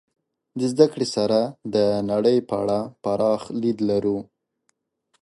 د زدهکړې سره د نړۍ په اړه پراخ لید لرو.